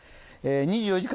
２４時間